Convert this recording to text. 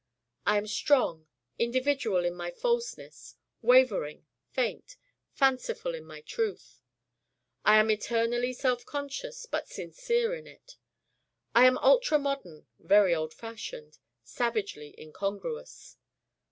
I am strong, individual in my falseness: wavering, faint, fanciful in my truth. I am eternally self conscious but sincere in it. I am ultra modern, very old fashioned: savagely incongruous.